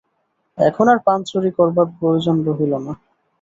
এখন আর পান চুরি করিবার প্রয়োজন রহিল না।